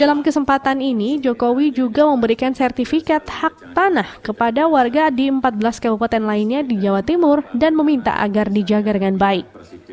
dalam kesempatan ini jokowi juga memberikan sertifikat hak tanah kepada warga di empat belas kabupaten lainnya di jawa timur dan meminta agar dijaga dengan baik